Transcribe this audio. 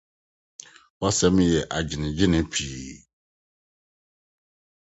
W’asɛm yɛ gyenegyene pii